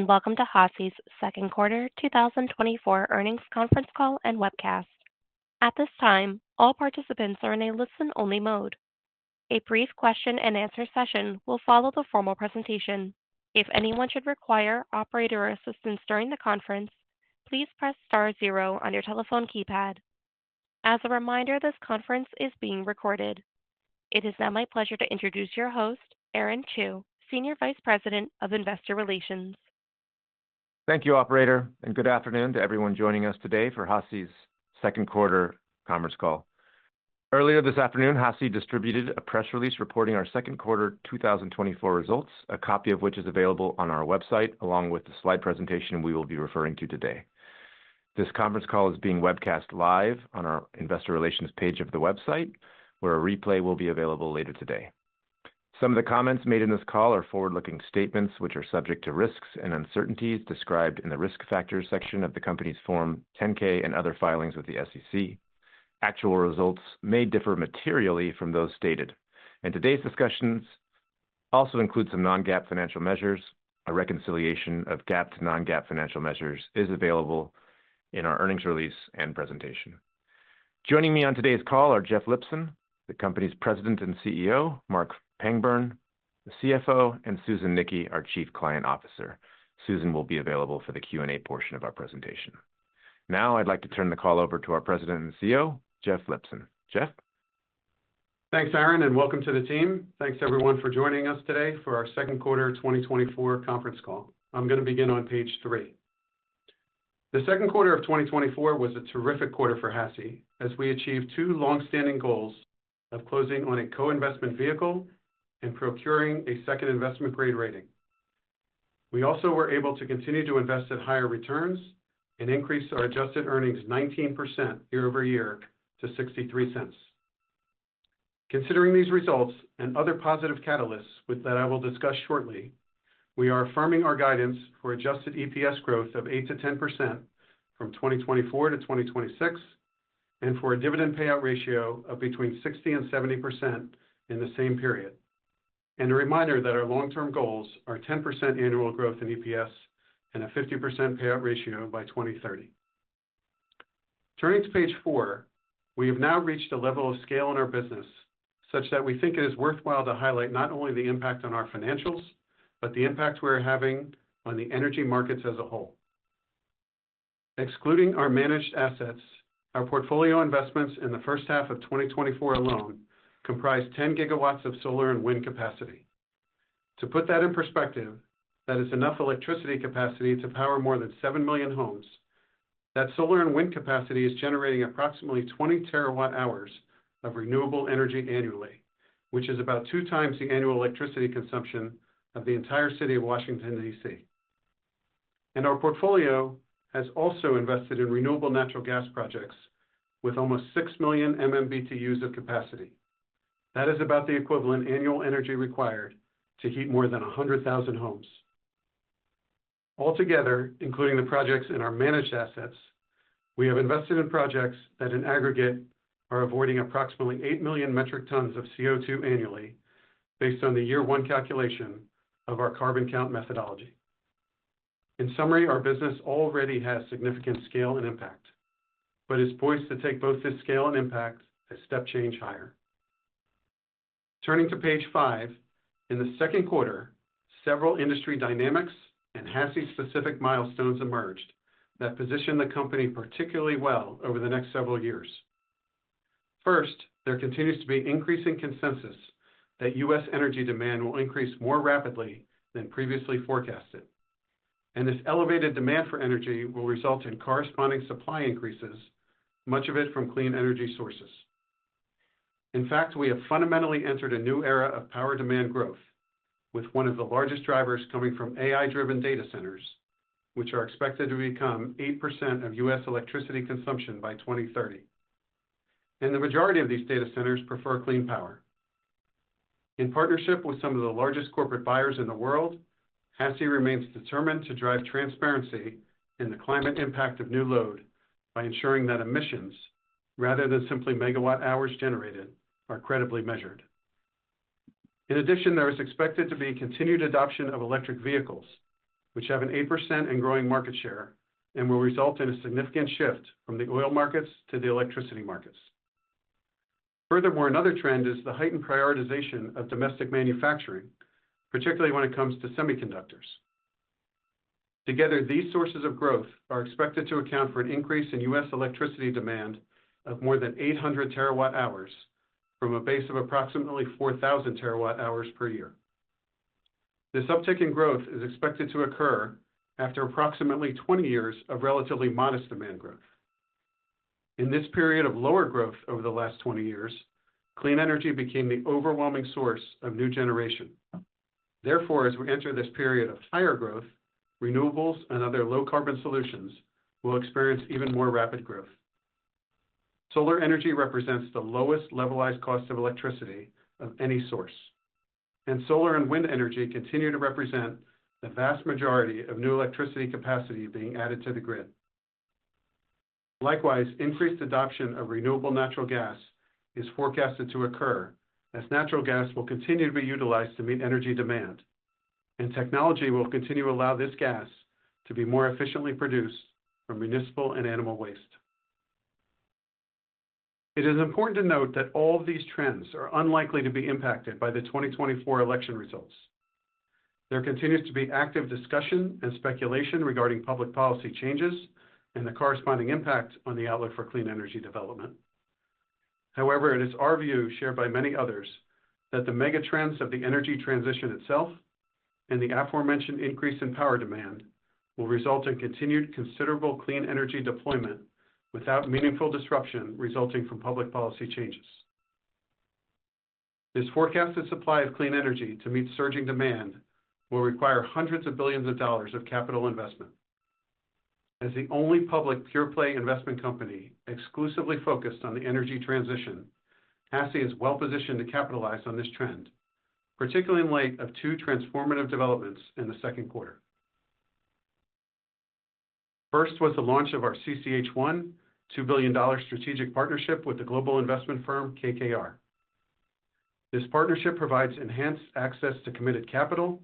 Welcome to HASI second quarter 2024 earnings conference call and webcast. At this time, all participants are in a listen-only mode. A brief question-and-answer session will follow the formal presentation. If anyone should require operator assistance during the conference, please press star zero on your telephone keypad. As a reminder, this conference is being recorded. It is now my pleasure to introduce your host, Aaron Chew, Senior Vice President of Investor Relations. Thank you, Operator, and good afternoon to everyone joining us today for HASI second quarter conference call. Earlier this afternoon, HASI distributed a press release reporting our second quarter 2024 results, a copy of which is available on our website, along with the slide presentation we will be referring to today. This conference call is being webcast live on our Investor Relations page of the website, where a replay will be available later today. Some of the comments made in this call are forward-looking statements which are subject to risks and uncertainties described in the risk factors section of the company's Form 10-K and other filings with the SEC. Actual results may differ materially from those stated, and today's discussions also include some non-GAAP financial measures. A reconciliation of GAAP to non-GAAP financial measures is available in our earnings release and presentation. Joining me on today's call are Jeff Lipson, the company's President and CEO; Marc Pangburn, the CFO; and Susan Nickey, our Chief Client Officer. Susan will be available for the Q&A portion of our presentation. Now, I'd like to turn the call over to our President and CEO, Jeff Lipson. Jeff? Thanks, Aaron, and welcome to the team. Thanks, everyone, for joining us today for our second quarter 2024 conference call. I'm going to begin on page 3. The second quarter of 2024 was a terrific quarter for HASI as we achieved 2 long-standing goals of closing on a co-investment vehicle and procuring a second investment-grade rating. We also were able to continue to invest at higher returns and increase our adjusted earnings 19% year-over-year to $0.63. Considering these results and other positive catalysts that I will discuss shortly, we are affirming our guidance for adjusted EPS growth of 8%-10% from 2024-2026, and for a dividend payout ratio of between 60%-70% in the same period. A reminder that our long-term goals are 10% annual growth in EPS and a 50% payout ratio by 2030. Turning to page four, we have now reached a level of scale in our business such that we think it is worthwhile to highlight not only the impact on our financials, but the impact we're having on the energy markets as a whole. Excluding our managed assets, our portfolio investments in the first half of 2024 alone comprise 10 gigawatts of solar and wind capacity. To put that in perspective, that is enough electricity capacity to power more than 7 million homes. That solar and wind capacity is generating approximately 20 terawatt-hours of renewable energy annually, which is about 2 times the annual electricity consumption of the entire city of Washington, D.C. Our portfolio has also invested in renewable natural gas projects with almost 6 million MMBTUs of capacity. That is about the equivalent annual energy required to heat more than 100,000 homes. Altogether, including the projects in our managed assets, we have invested in projects that, in aggregate, are avoiding approximately 8 million metric tons of CO2 annually, based on the year-one calculation of our CarbonCount methodology. In summary, our business already has significant scale and impact, but is poised to take both this scale and impact a step change higher. Turning to page five, in the second quarter, several industry dynamics and HASI-specific milestones emerged that position the company particularly well over the next several years. First, there continues to be increasing consensus that U.S. energy demand will increase more rapidly than previously forecasted, and this elevated demand for energy will result in corresponding supply increases, much of it from clean energy sources. In fact, we have fundamentally entered a new era of power demand growth, with one of the largest drivers coming from AI-driven data centers, which are expected to become 8% of U.S. electricity consumption by 2030. The majority of these data centers prefer clean power. In partnership with some of the largest corporate buyers in the world, HASI remains determined to drive transparency in the climate impact of new load by ensuring that emissions, rather than simply megawatt-hours generated, are credibly measured. In addition, there is expected to be continued adoption of electric vehicles, which have an 8% and growing market share and will result in a significant shift from the oil markets to the electricity markets. Furthermore, another trend is the heightened prioritization of domestic manufacturing, particularly when it comes to semiconductors. Together, these sources of growth are expected to account for an increase in U.S. electricity demand of more than 800 terawatt-hours from a base of approximately 4,000 terawatt-hours per year. This uptick in growth is expected to occur after approximately 20 years of relatively modest demand growth. In this period of lower growth over the last 20 years, clean energy became the overwhelming source of new generation. Therefore, as we enter this period of higher growth, renewables and other low-carbon solutions will experience even more rapid growth. Solar energy represents the lowest levelized cost of electricity of any source, and solar and wind energy continue to represent the vast majority of new electricity capacity being added to the grid. Likewise, increased adoption of renewable natural gas is forecasted to occur as natural gas will continue to be utilized to meet energy demand, and technology will continue to allow this gas to be more efficiently produced from municipal and animal waste. It is important to note that all of these trends are unlikely to be impacted by the 2024 election results. There continues to be active discussion and speculation regarding public policy changes and the corresponding impact on the outlook for clean energy development. However, it is our view, shared by many others, that the megatrends of the energy transition itself and the aforementioned increase in power demand will result in continued considerable clean energy deployment without meaningful disruption resulting from public policy changes. This forecasted supply of clean energy to meet surging demand will require hundreds of billions of capital investment. As the only public pure-play investment company exclusively focused on the energy transition, HASI is well-positioned to capitalize on this trend, particularly in light of two transformative developments in the second quarter. First was the launch of our CCH1 $2 billion strategic partnership with the global investment firm KKR. This partnership provides enhanced access to committed capital,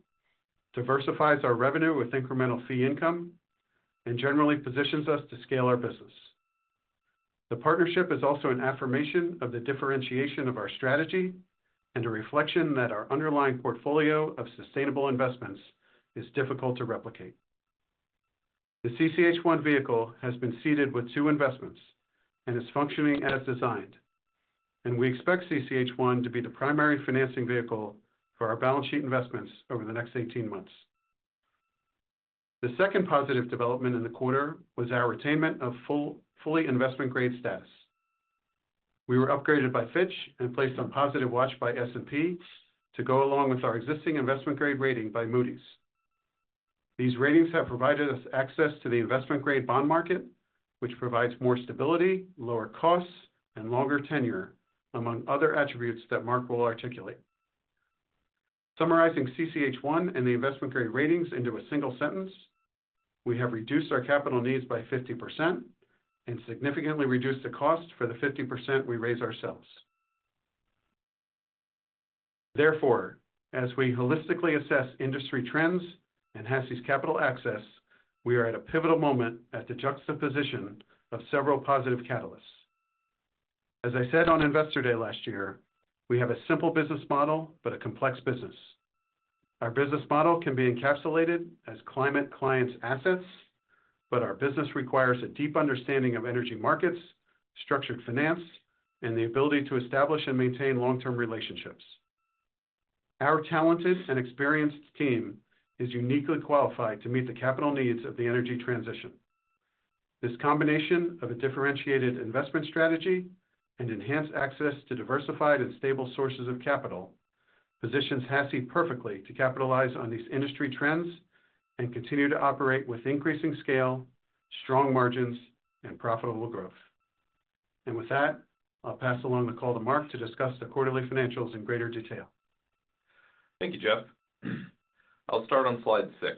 diversifies our revenue with incremental fee income, and generally positions us to scale our business. The partnership is also an affirmation of the differentiation of our strategy and a reflection that our underlying portfolio of sustainable investments is difficult to replicate. The CCH1 vehicle has been seeded with two investments and is functioning as designed, and we expect CCH1 to be the primary financing vehicle for our balance sheet investments over the next 18 months. The second positive development in the quarter was our attainment of fully investment-grade status. We were upgraded by Fitch and placed on positive watch by S&P to go along with our existing investment-grade rating by Moody's. These ratings have provided us access to the investment-grade bond market, which provides more stability, lower costs, and longer tenor, among other attributes that Marc will articulate. Summarizing CCH1 and the investment-grade ratings into a single sentence, we have reduced our capital needs by 50% and significantly reduced the cost for the 50% we raise ourselves. Therefore, as we holistically assess industry trends and HASI access, we are at a pivotal moment at the juxtaposition of several positive catalysts. As I said on Investor Day last year, we have a simple business model, but a complex business. Our business model can be encapsulated as climate-clients assets, but our business requires a deep understanding of energy markets, structured finance, and the ability to establish and maintain long-term relationships. Our talented and experienced team is uniquely qualified to meet the capital needs of the energy transition. This combination of a differentiated investment strategy and enhanced access to diversified and stable sources of capital positions HASI perfectly to capitalize on these industry trends and continue to operate with increasing scale, strong margins, and profitable growth. With that, I'll pass along the call to Marc to discuss the quarterly financials in greater detail. Thank you, Jeff. I'll start on slide 6.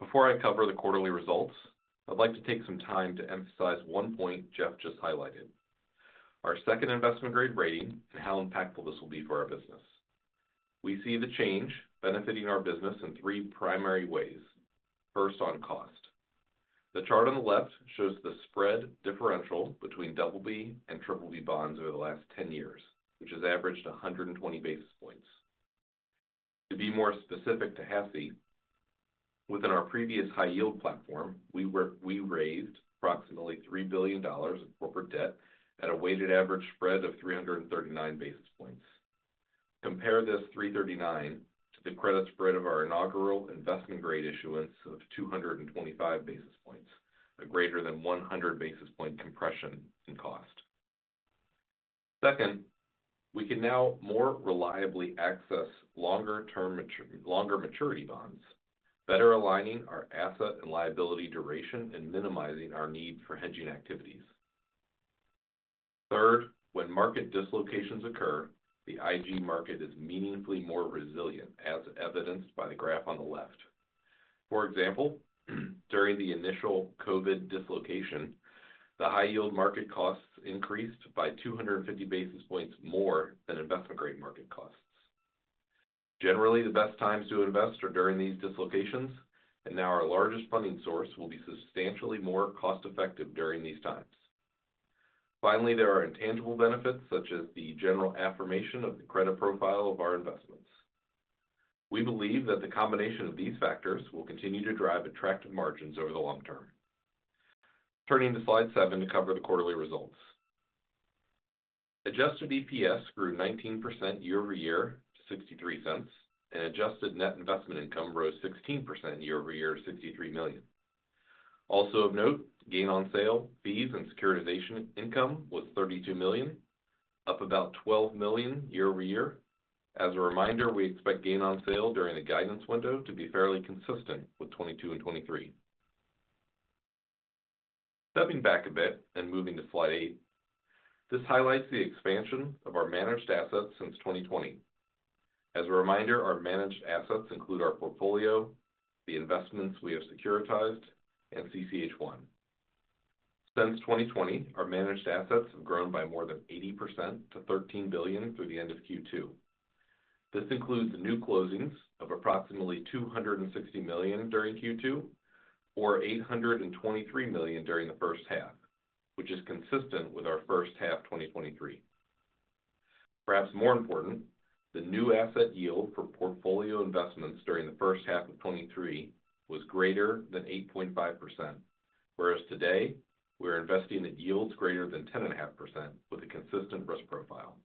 Before I cover the quarterly results, I'd like to take some time to emphasize one point Jeff just highlighted: our second investment-grade rating and how impactful this will be for our business. We see the change benefiting our business in three primary ways. First, on cost. The chart on the left shows the spread differential between BB and BBB bonds over the last 10 years, which has averaged 120 basis points. To be more specific to HASI, within our previous high-yield platform, we raised approximately $3 billion of corporate debt at a weighted average spread of 339 basis points. Compare this 339 to the credit spread of our inaugural investment-grade issuance of 225 basis points, a greater than 100 basis point compression in cost. Second, we can now more reliably access longer maturity bonds, better aligning our asset and liability duration and minimizing our need for hedging activities. Third, when market dislocations occur, the IG market is meaningfully more resilient, as evidenced by the graph on the left. For example, during the initial COVID dislocation, the high-yield market costs increased by 250 basis points more than investment-grade market costs. Generally, the best times to invest are during these dislocations, and now our largest funding source will be substantially more cost-effective during these times. Finally, there are intangible benefits, such as the general affirmation of the credit profile of our investments. We believe that the combination of these factors will continue to drive attractive margins over the long term. Turning to slide 7 to cover the quarterly results. Adjusted EPS grew 19% year-over-year to $0.63, and adjusted net investment income rose 16% year-over-year to $63 million. Also of note, gain on sale, fees, and securitization income was $32 million, up about $12 million year-over-year. As a reminder, we expect gain on sale during the guidance window to be fairly consistent with 2022 and 2023. Stepping back a bit and moving to slide 8, this highlights the expansion of our managed assets since 2020. As a reminder, our managed assets include our portfolio, the investments we have securitized, and CCH1. Since 2020, our managed assets have grown by more than 80%-$13 billion through the end of Q2. This includes new closings of approximately $260 million during Q2 or $823 million during the first half, which is consistent with our first half 2023. Perhaps more important, the new asset yield for portfolio investments during the first half of 2023 was greater than 8.5%, whereas today we are investing at yields greater than 10.5% with a consistent risk profile.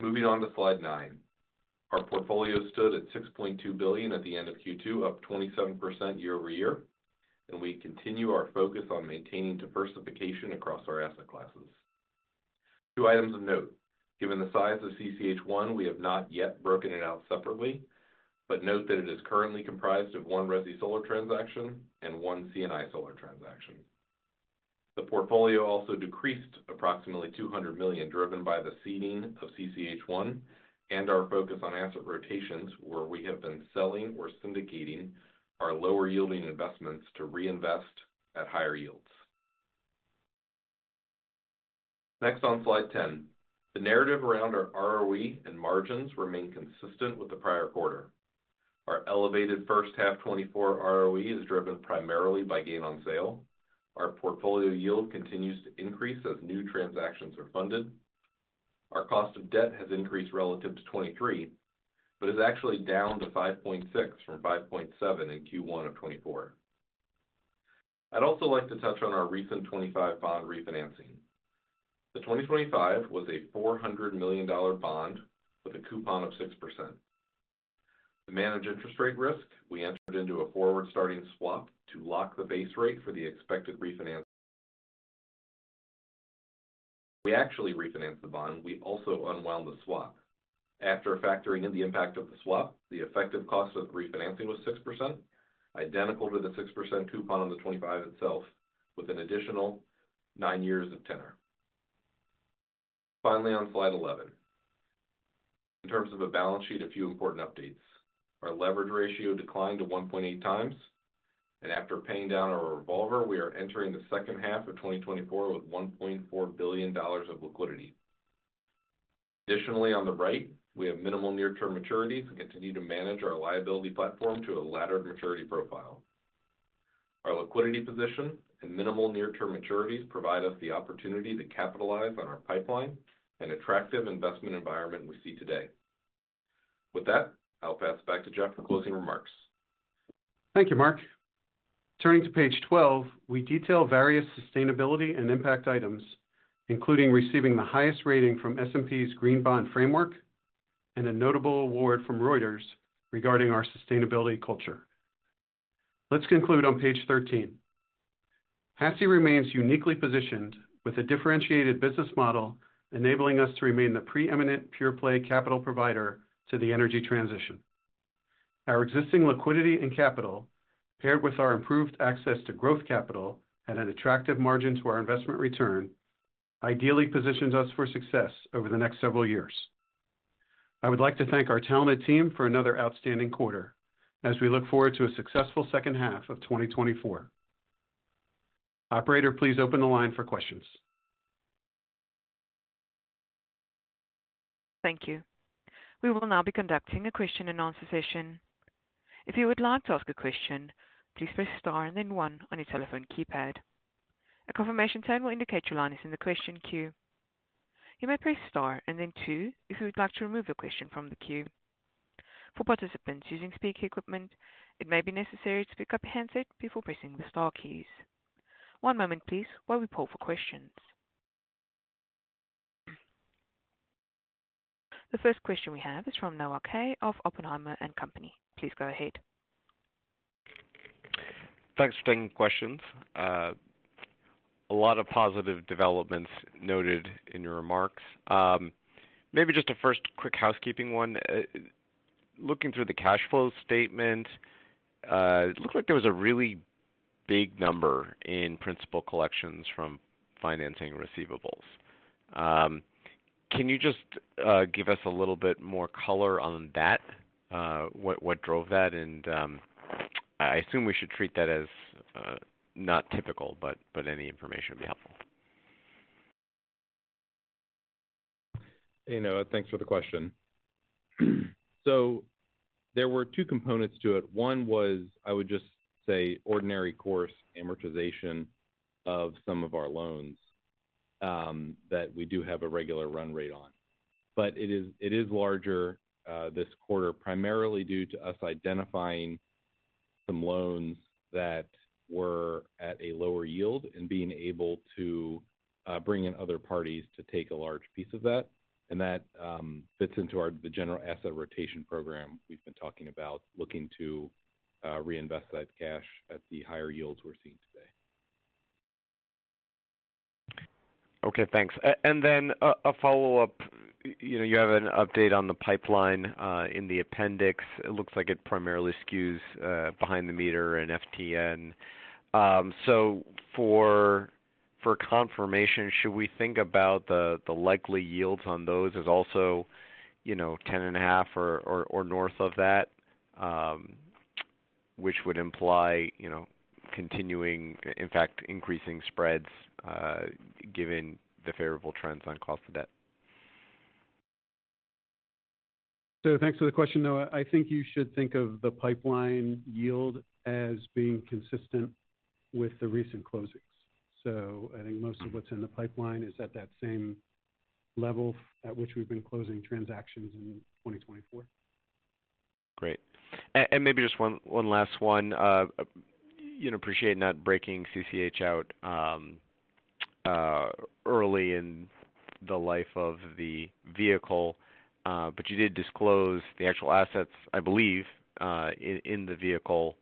Moving on to slide nine, our portfolio stood at $6.2 billion at the end of Q2, up 27% year-over-year, and we continue our focus on maintaining diversification across our asset classes. Two items of note: given the size of CCH1, we have not yet broken it out separately, but note that it is currently comprised of one resi solar transaction and one C&I solar transaction. The portfolio also decreased approximately $200 million, driven by the seeding of CCH1 and our focus on asset rotations, where we have been selling or syndicating our lower-yielding investments to reinvest at higher yields. Next, on slide 10, the narrative around our ROE and margins remains consistent with the prior quarter. Our elevated first half 2024 ROE is driven primarily by gain on sale. Our portfolio yield continues to increase as new transactions are funded. Our cost of debt has increased relative to 2023, but is actually down to 5.6 from 5.7 in Q1 of 2024. I'd also like to touch on our recent 2025 bond refinancing. The 2025 was a $400 million bond with a coupon of 6%. To manage interest rate risk we entered into a forward-starting swap to lock the base rate for the expected refinancing. We actually refinanced the bond. We also unwound the swap. After factoring in the impact of the swap, the effective cost of refinancing was 6%, identical to the 6% coupon on the 2025 itself, with an additional nine years of tenor. Finally, on slide 11, in terms of a balance sheet, a few important updates. Our leverage ratio declined to 1.8 times, and after paying down our revolver, we are entering the second half of 2024 with $1.4 billion of liquidity. Additionally, on the right, we have minimal near-term maturities and continue to manage our liability platform to a laddered maturity profile. Our liquidity position and minimal near-term maturities provide us the opportunity to capitalize on our pipeline and attractive investment environment we see today. With that, I'll pass it back to Jeff for closing remarks. Thank you, Marc. Turning to page 12, we detail various sustainability and impact items, including receiving the highest rating from S&P's Green Bond Framework and a notable award from Reuters regarding our sustainability culture. Let's conclude on page 13. HASI remains uniquely positioned with a differentiated business model enabling us to remain the preeminent pure-play capital provider to the energy transition. Our existing liquidity and capital, paired with our improved access to growth capital and an attractive margin to our investment return, ideally positions us for success over the next several years. I would like to thank our talented team for another outstanding quarter as we look forward to a successful second half of 2024. Operator, please open the line for questions. Thank you. We will now be conducting a question and answer session. If you would like to ask a question, please press star and then one on your telephone keypad. A confirmation tag will indicate your line is in the question queue. You may press star and then two if you would like to remove a question from the queue. For participants using speaker equipment, it may be necessary to be comprehensive before pressing the star keys. One moment, please, while we pull for questions. The first question we have is from Noah Kaye of Oppenheimer & Co. Please go ahead. Thanks for taking questions. A lot of positive developments noted in your remarks. Maybe just a first quick housekeeping one. Looking through the cash flow statement, it looked like there was a really big number in principal collections from financing receivables. Can you just give us a little bit more color on that? What drove that? And I assume we should treat that as not typical, but any information would be helpful. Thanks for the question. So there were two components to it. One was, I would just say, ordinary course amortization of some of our loans that we do have a regular run rate on. But it is larger this quarter, primarily due to us identifying some loans that were at a lower yield and being able to bring in other parties to take a large piece of that. And that fits into the general asset rotation program we've been talking about, looking to reinvest that cash at the higher yields we're seeing today. Okay. Thanks. And then a follow-up. You have an update on the pipeline in the appendix. It looks like it primarily skews behind the meter and FTM. So for confirmation, should we think about the likely yields on those as also 10.5 or north of that, which would imply continuing, in fact, increasing spreads given the favorable trends on cost of debt? Thanks for the question, Noah. I think you should think of the pipeline yield as being consistent with the recent closings. I think most of what's in the pipeline is at that same level at which we've been closing transactions in 2024. Great. And maybe just one last one. Appreciate not breaking CCH1 out early in the life of the vehicle, but you did disclose the actual assets, I believe, in the vehicle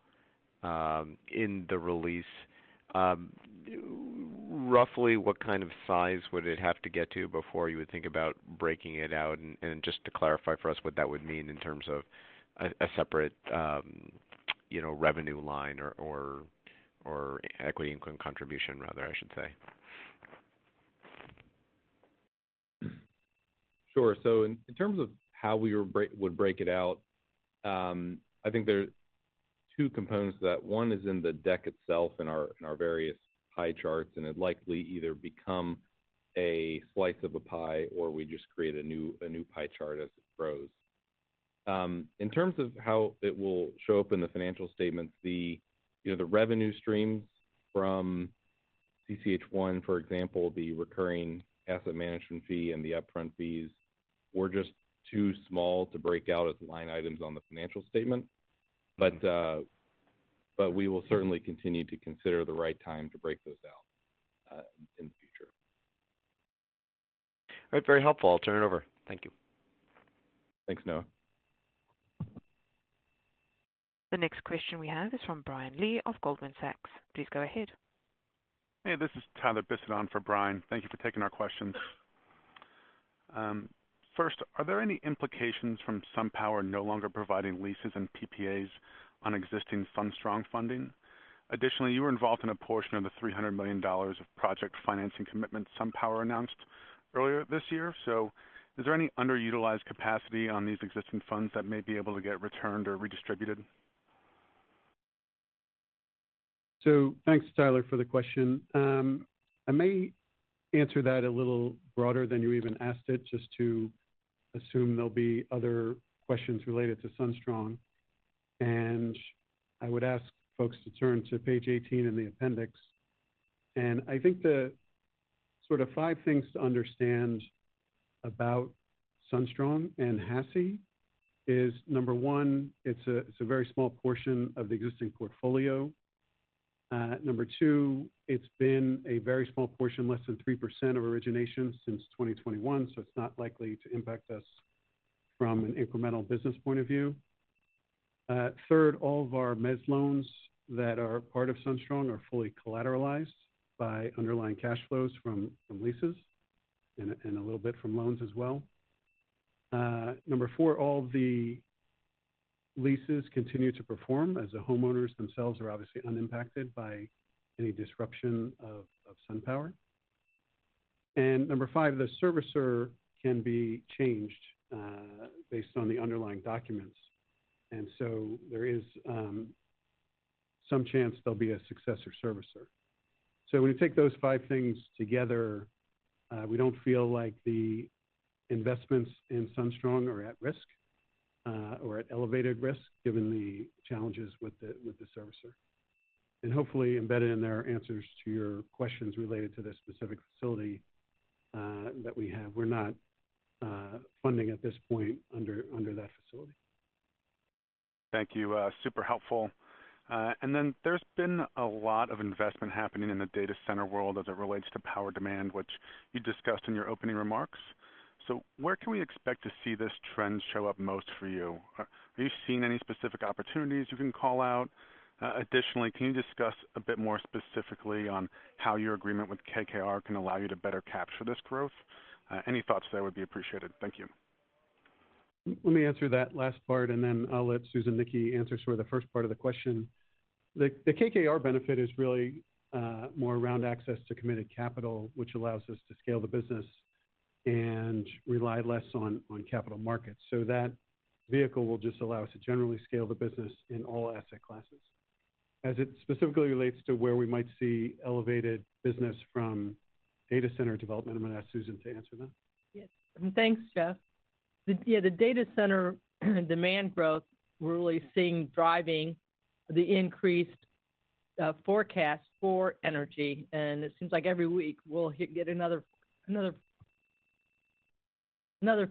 in the release. Roughly, what kind of size would it have to get to before you would think about breaking it out? And just to clarify for us what that would mean in terms of a separate revenue line or equity income contribution, rather, I should say. Sure. So in terms of how we would break it out, I think there are two components to that. One is in the deck itself in our various pie charts, and it likely either becomes a slice of a pie or we just create a new pie chart as it grows. In terms of how it will show up in the financial statements, the revenue streams from CCH-1, for example, the recurring asset management fee and the upfront fees, were just too small to break out as line items on the financial statement. But we will certainly continue to consider the right time to break those out in the future. All right. Very helpful. I'll turn it over. Thank you. Thanks, Noah. The next question we have is from Brian Lee of Goldman Sachs. Please go ahead. Hey, this is Tyler Bisset for Brian. Thank you for taking our questions. First, are there any implications from SunPower no longer providing leases and PPAs on existing SunStrong funding? Additionally, you were involved in a portion of the $300 million of project financing commitment SunPower announced earlier this year. So is there any underutilized capacity on these existing funds that may be able to get returned or redistributed? So thanks, Tyler, for the question. I may answer that a little broader than you even asked it, just to assume there'll be other questions related to SunStrong. I would ask folks to turn to page 18 in the appendix. I think the sort of five things to understand about SunStrong and HASI is, number one, it's a very small portion of the existing portfolio. Number two, it's been a very small portion, less than 3% of origination since 2021, so it's not likely to impact us from an incremental business point of view. Third, all of our mezz loans that are part of SunStrong are fully collateralized by underlying cash flows from leases and a little bit from loans as well. Number four, all the leases continue to perform as the homeowners themselves are obviously unimpacted by any disruption of SunPower. Number 5, the servicer can be changed based on the underlying documents. And so there is some chance there'll be a successor servicer. So when you take those 5 things together, we don't feel like the investments in SunStrong are at risk or at elevated risk given the challenges with the servicer. And hopefully, embedded in there are answers to your questions related to the specific facility that we have. We're not funding at this point under that facility. Thank you. Super helpful. And then there's been a lot of investment happening in the data center world as it relates to power demand, which you discussed in your opening remarks. So where can we expect to see this trend show up most for you? Are you seeing any specific opportunities you can call out? Additionally, can you discuss a bit more specifically on how your agreement with KKR can allow you to better capture this growth? Any thoughts there would be appreciated. Thank you. Let me answer that last part, and then I'll let Susan Nickey answer sort of the first part of the question. The KKR benefit is really more around access to committed capital, which allows us to scale the business and rely less on capital markets. So that vehicle will just allow us to generally scale the business in all asset classes. As it specifically relates to where we might see elevated business from data center development, I'm going to ask Susan to answer that. Yes. Thanks, Jeff. Yeah, the data center demand growth we're really seeing driving the increased forecast for energy. And it seems like every week we'll get another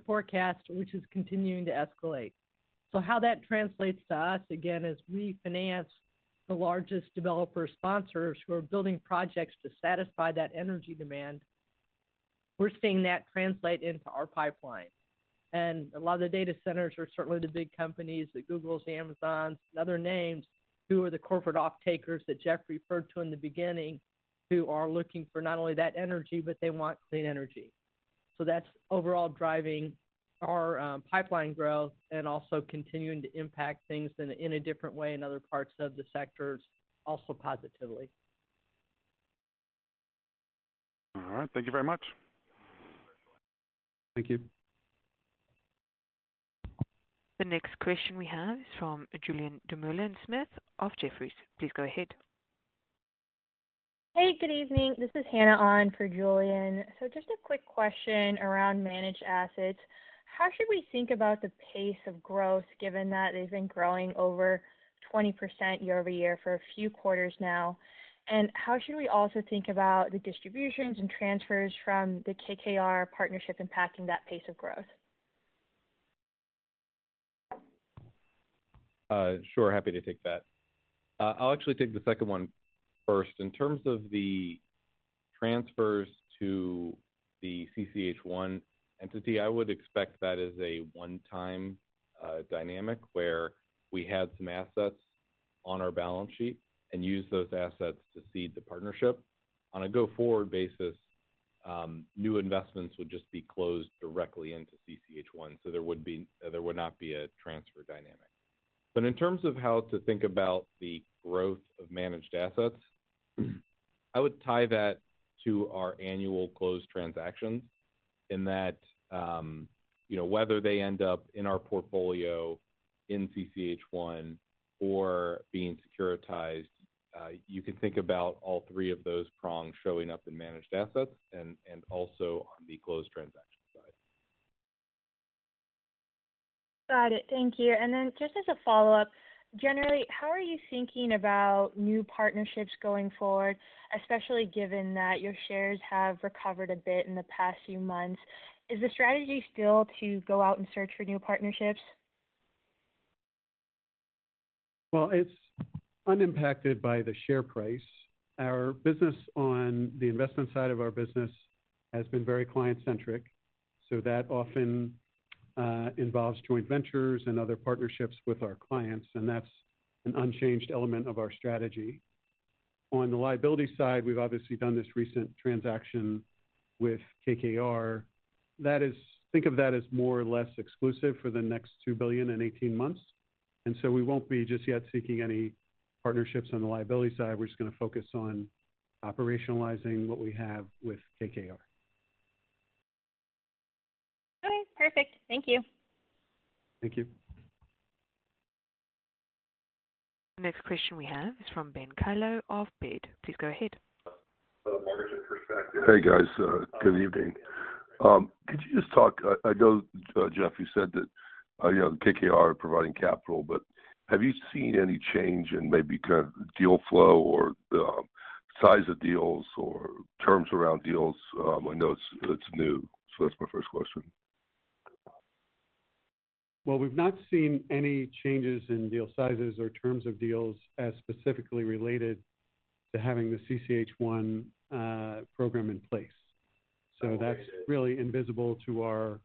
forecast which is continuing to escalate. So how that translates to us, again, is we finance the largest developer sponsors who are building projects to satisfy that energy demand. We're seeing that translate into our pipeline. And a lot of the data centers are certainly the big companies that Googles, Amazons, and other names who are the corporate off-takers that Jeff referred to in the beginning who are looking for not only that energy, but they want clean energy. So that's overall driving our pipeline growth and also continuing to impact things in a different way in other parts of the sectors also positively. All right. Thank you very much. Thank you. The next question we have is from Julien Dumoulin-Smith of Jefferies. Please go ahead. Hey, good evening. This is Hannah Ong for Julien. So just a quick question around managed assets. How should we think about the pace of growth given that they've been growing over 20% year-over-year for a few quarters now? And how should we also think about the distributions and transfers from the KKR partnership impacting that pace of growth? Sure. Happy to take that. I'll actually take the second one first. In terms of the transfers to the CCH-1 entity, I would expect that as a one-time dynamic where we had some assets on our balance sheet and used those assets to seed the partnership. On a go-forward basis, new investments would just be closed directly into CCH-1, so there would not be a transfer dynamic. But in terms of how to think about the growth of managed assets, I would tie that to our annual closed transactions in that whether they end up in our portfolio in CCH-1 or being securitized, you can think about all three of those prongs showing up in managed assets and also on the closed transaction side. Got it. Thank you. Just as a follow-up, generally, how are you thinking about new partnerships going forward, especially given that your shares have recovered a bit in the past few months? Is the strategy still to go out and search for new partnerships? Well, it's unimpacted by the share price. Our business on the investment side of our business has been very client-centric. So that often involves joint ventures and other partnerships with our clients. And that's an unchanged element of our strategy. On the liability side, we've obviously done this recent transaction with KKR. Think of that as more or less exclusive for the next $2 billion and 18 months. And so we won't be just yet seeking any partnerships on the liability side. We're just going to focus on operationalizing what we have with KKR. Okay. Perfect. Thank you. Thank you. Next question we have is from Ben Kallo of Baird. Please go ahead. For the mortgage perspective. Hey, guys. Good evening. Could you just talk? I know, Jeff, you said that KKR are providing capital, but have you seen any change in maybe kind of deal flow or size of deals or terms around deals? I know it's new, so that's my first question. Well, we've not seen any changes in deal sizes or terms of deals as specifically related to having the CCH-1 program in place. So that's really invisible to our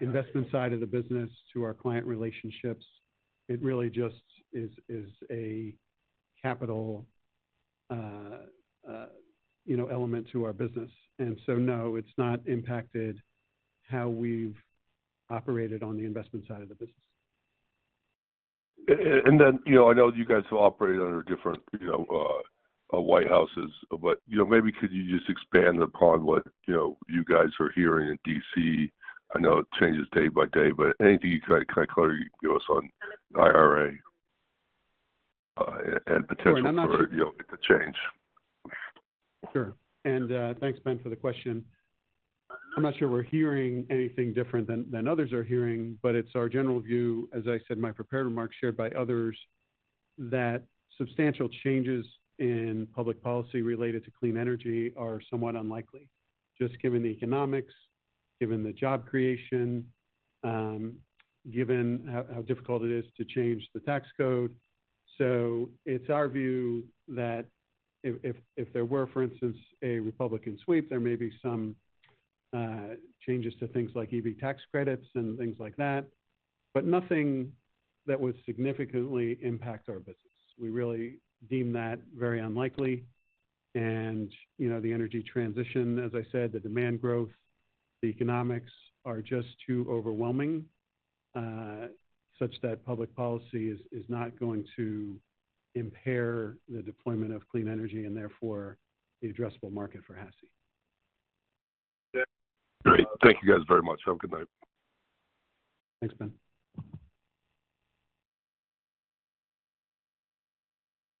investment side of the business, to our client relationships. It really just is a capital element to our business. And so no, it's not impacted how we've operated on the investment side of the business. And then I know you guys have operated under different White Houses, but maybe could you just expand upon what you guys are hearing in DC? I know it changes day by day, but anything you can kind of clearly give us on IRA and potential for it to change? Sure. And thanks, Ben, for the question. I'm not sure we're hearing anything different than others are hearing, but it's our general view, as I said in my prepared remarks shared by others, that substantial changes in public policy related to clean energy are somewhat unlikely, just given the economics, given the job creation, given how difficult it is to change the tax code. So it's our view that if there were, for instance, a Republican sweep, there may be some changes to things like EV tax credits and things like that, but nothing that would significantly impact our business. We really deem that very unlikely. And the energy transition, as I said, the demand growth, the economics are just too overwhelming such that public policy is not going to impair the deployment of clean energy and therefore the addressable market for HASI. Great. Thank you guys very much. Have a good night. Thanks, Ben.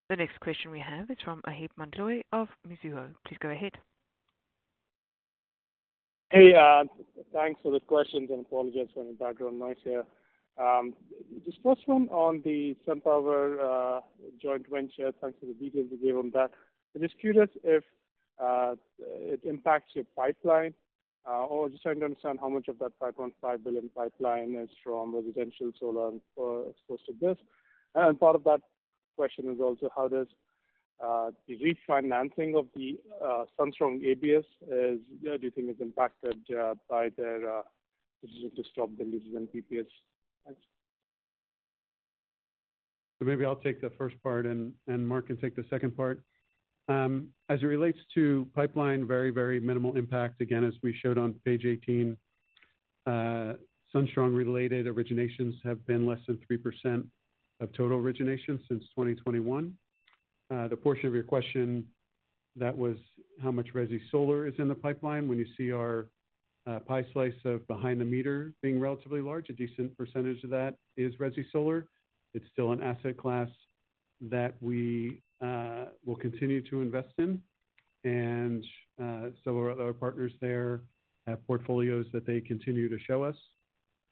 The next question we have is from Maheep Mandloi of Mizuho. Please go ahead. Hey, thanks for the questions. And apologies for any background noise here. Just first one on the SunPower joint venture, thanks for the details you gave on that. I'm just curious if it impacts your pipeline or just trying to understand how much of that $5.5 billion pipeline is from residential solar and exposed to this. And part of that question is also how does the refinancing of the SunStrong ABS, do you think, is impacted by their decision to stop the leases and PPAs? So maybe I'll take the first part and Mark can take the second part. As it relates to pipeline, very, very minimal impact. Again, as we showed on page 18, SunStrong-related originations have been less than 3% of total origination since 2021. The portion of your question that was how much RESI solar is in the pipeline, when you see our pie slice of behind the meter being relatively large, a decent percentage of that is RESI solar. It's still an asset class that we will continue to invest in. And some of our partners there have portfolios that they continue to show us.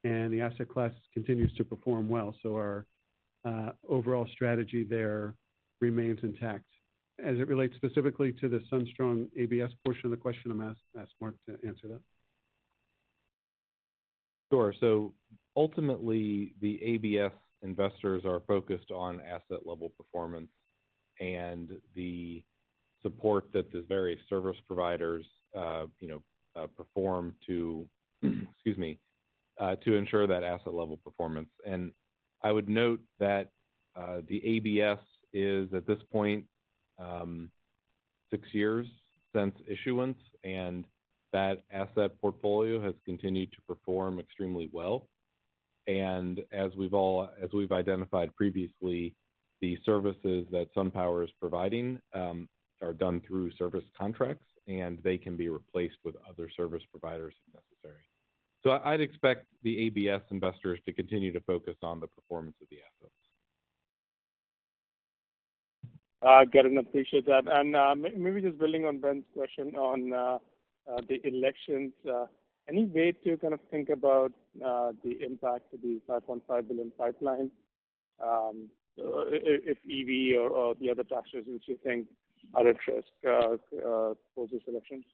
And the asset class continues to perform well. So our overall strategy there remains intact. As it relates specifically to the SunStrong ABS portion of the question, I'm going to ask Mark to answer that. Sure. So ultimately, the ABS investors are focused on asset-level performance and the support that the various service providers perform to, excuse me, to ensure that asset-level performance. And I would note that the ABS is at this point six years since issuance, and that asset portfolio has continued to perform extremely well. And as we've identified previously, the services that SunPower is providing are done through service contracts, and they can be replaced with other service providers if necessary. So I'd expect the ABS investors to continue to focus on the performance of the assets. I get and appreciate that. And maybe just building on Ben's question on the elections, any way to kind of think about the impact of the $5.5 billion pipeline if EV or the other taxes, which you think are at risk post-elections?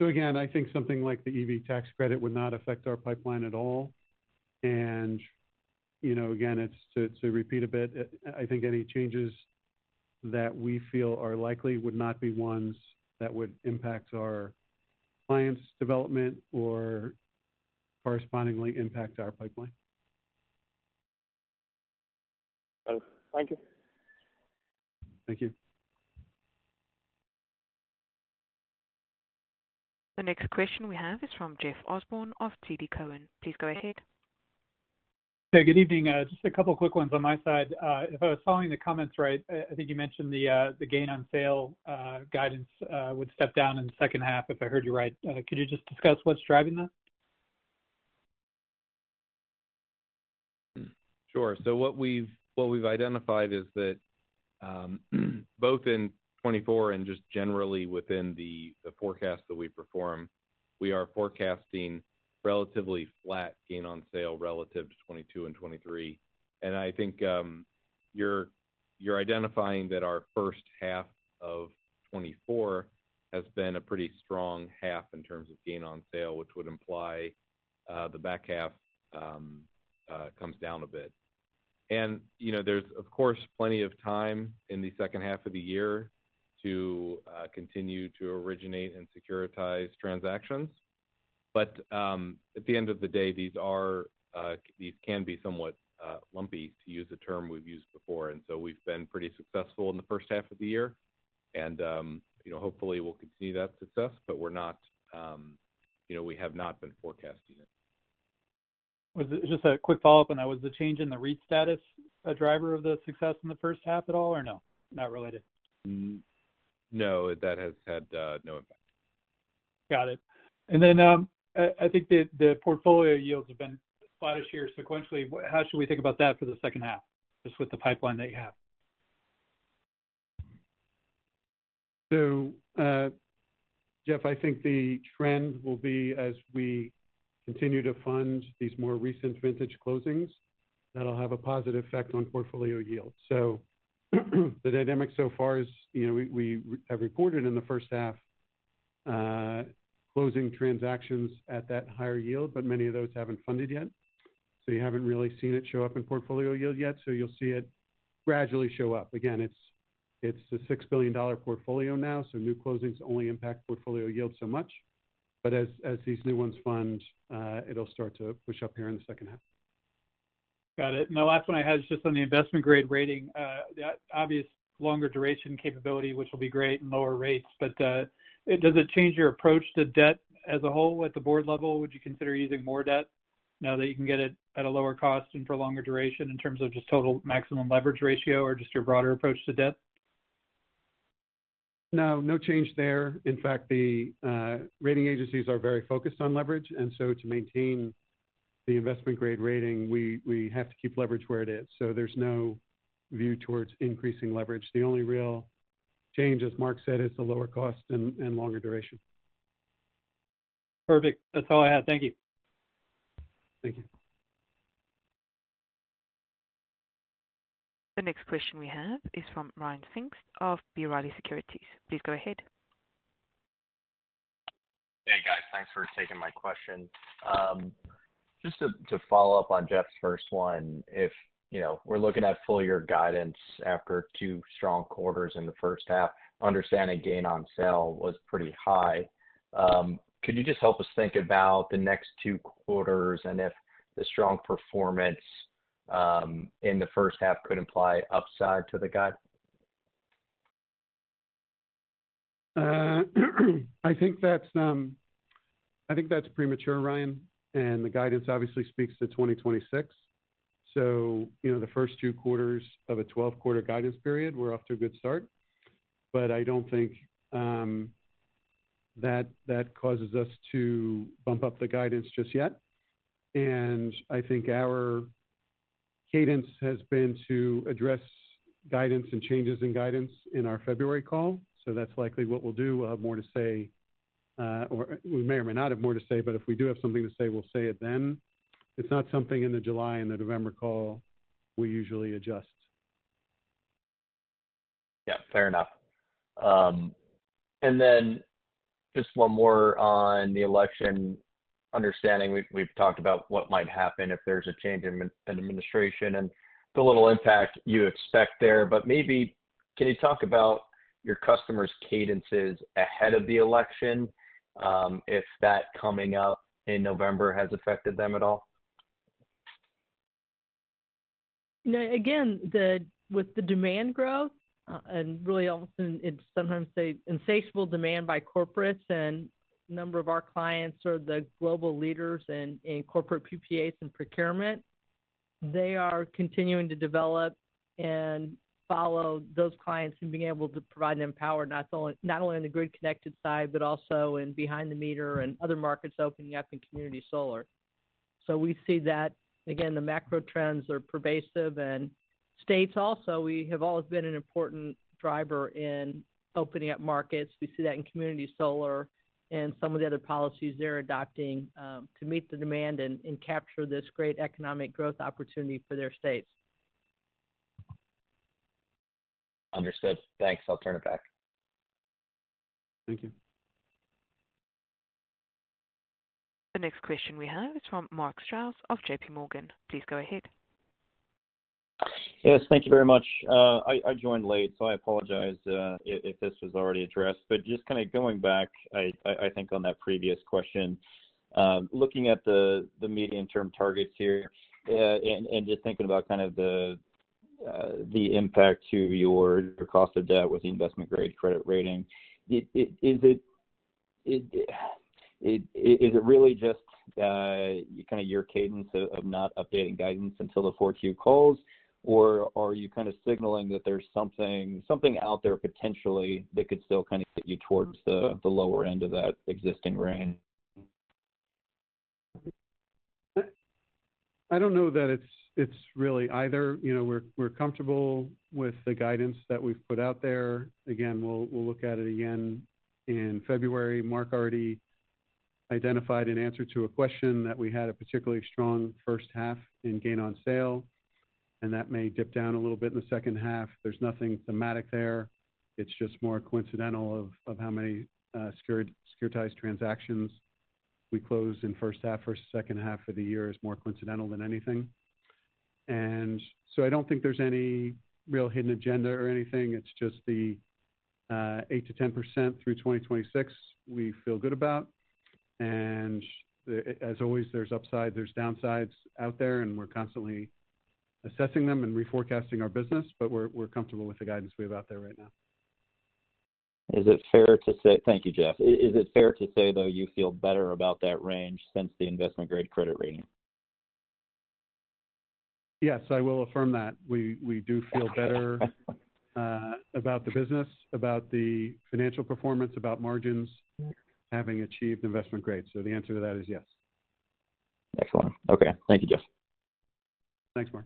Again, I think something like the EV tax credit would not affect our pipeline at all. Again, to repeat a bit, I think any changes that we feel are likely would not be ones that would impact our clients' development or correspondingly impact our pipeline. Thank you. Thank you. The next question we have is from Jeff Osborne of TD Cowen. Please go ahead. Hey, good evening. Just a couple of quick ones on my side. If I was following the comments right, I think you mentioned the gain-on-sale guidance would step down in the second half, if I heard you right. Could you just discuss what's driving that? Sure. So what we've identified is that both in 2024 and just generally within the forecast that we perform, we are forecasting relatively flat gain-on-sale relative to 2022 and 2023. And I think you're identifying that our first half of 2024 has been a pretty strong half in terms of gain-on-sale, which would imply the back half comes down a bit. And there's, of course, plenty of time in the second half of the year to continue to originate and securitize transactions. But at the end of the day, these can be somewhat lumpy, to use a term we've used before. And so we've been pretty successful in the first half of the year. And hopefully, we'll continue that success, but we have not been forecasting it. Just a quick follow-up on that. Was the change in the REIT status a driver of the success in the first half at all or no? Not related? No, that has had no impact. Got it. And then I think the portfolio yields have been spotty here sequentially. How should we think about that for the second half, just with the pipeline that you have? So Jeff, I think the trend will be as we continue to fund these more recent vintage closings, that'll have a positive effect on portfolio yield. So the dynamic so far is we have reported in the first half closing transactions at that higher yield, but many of those haven't funded yet. So you haven't really seen it show up in portfolio yield yet. So you'll see it gradually show up. Again, it's a $6 billion portfolio now, so new closings only impact portfolio yield so much. But as these new ones fund, it'll start to push up here in the second half. Got it. The last one I had is just on the investment-grade rating, the obvious longer duration capability, which will be great and lower rates. But does it change your approach to debt as a whole at the board level? Would you consider using more debt now that you can get it at a lower cost and for a longer duration in terms of just total maximum leverage ratio or just your broader approach to debt? No, no change there. In fact, the rating agencies are very focused on leverage. And so to maintain the investment-grade rating, we have to keep leverage where it is. So there's no view towards increasing leverage. The only real change, as Mark said, is the lower cost and longer duration. Perfect. That's all I had. Thank you. Thank you. The next question we have is from Ryan Pfingst of B. Riley Securities. Please go ahead. Hey, guys. Thanks for taking my question. Just to follow up on Jeff's first one, if we're looking at full-year guidance after two strong quarters in the first half, understanding gain-on-sale was pretty high. Could you just help us think about the next two quarters and if the strong performance in the first half could imply upside to the guide? I think that's premature, Ryan. The guidance obviously speaks to 2026. The first two quarters of a 12-quarter guidance period, we're off to a good start. I don't think that causes us to bump up the guidance just yet. I think our cadence has been to address guidance and changes in guidance in our February call. That's likely what we'll do. We'll have more to say. We may or may not have more to say, but if we do have something to say, we'll say it then. It's not something in the July and the November call we usually adjust. Yeah, fair enough. Then just one more on the election understanding. We've talked about what might happen if there's a change in administration and the little impact you expect there. But maybe can you talk about your customers' cadences ahead of the election, if that coming up in November has affected them at all? Again, with the demand growth, and really, often it's sometimes, say, insatiable demand by corporates and a number of our clients or the global leaders in corporate PPAs and procurement, they are continuing to develop and follow those clients and being able to provide them power, not only on the grid-connected side, but also in behind-the-meter and other markets opening up in community solar. So we see that, again, the macro trends are pervasive. And states also, we have always been an important driver in opening up markets. We see that in community solar and some of the other policies they're adopting to meet the demand and capture this great economic growth opportunity for their states. Understood. Thanks. I'll turn it back. Thank you. The next question we have is from Mark Strouse of J.P. Morgan. Please go ahead. Yes, thank you very much. I joined late, so I apologize if this was already addressed. But just kind of going back, I think on that previous question, looking at the medium-term targets here and just thinking about kind of the impact to your cost of debt with the investment-grade credit rating, is it really just kind of your cadence of not updating guidance until the fourth-year calls, or are you kind of signaling that there's something out there potentially that could still kind of get you towards the lower end of that existing range? I don't know that it's really either. We're comfortable with the guidance that we've put out there. Again, we'll look at it again in February. Mark already identified an answer to a question that we had a particularly strong first half in gain-on-sale, and that may dip down a little bit in the second half. There's nothing thematic there. It's just more coincidental of how many securitized transactions we close in first half versus second half of the year is more coincidental than anything. And so I don't think there's any real hidden agenda or anything. It's just the 8%-10% through 2026 we feel good about. As always, there's upsides, there's downsides out there, and we're constantly assessing them and reforecasting our business, but we're comfortable with the guidance we have out there right now. Is it fair to say, thank you, Jeff? Is it fair to say, though, you feel better about that range since the investment-grade credit rating? Yes, I will affirm that. We do feel better about the business, about the financial performance, about margins having achieved investment grade. The answer to that is yes. Excellent. Okay. Thank you, Jeff. Thanks, Mark.